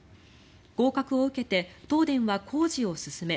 合格を受けて、東電は工事を進め